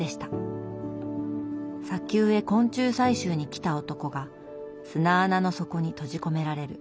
砂丘へ昆虫採集に来た男が砂穴の底に閉じ込められる。